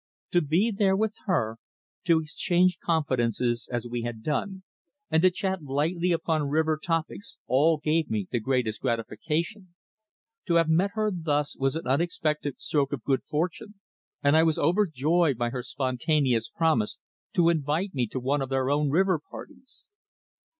To be there with her, to exchange confidences as we had done, and to chat lightly upon river topics all gave me the greatest gratification. To have met her thus was an unexpected stroke of good fortune, and I was overjoyed by her spontaneous promise to invite me to one of their own river parties.